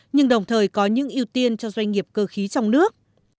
nhưng đồng thời có những ưu tiên cho doanh nghiệp cơ khí trong nước